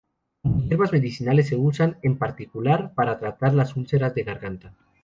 Como hierbas medicinales se usan, en particular, para tratar las úlceras de garganta.